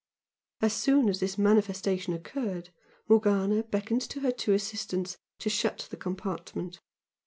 As soon as this manifestation occurred, Morgana beckoned to her two assistants to shut the compartment.